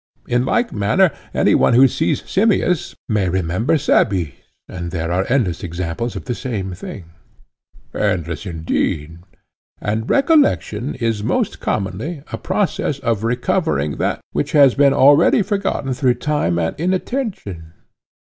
In like manner any one who sees Simmias may remember Cebes; and there are endless examples of the same thing. Endless, indeed, replied Simmias. And recollection is most commonly a process of recovering that which has been already forgotten through time and inattention.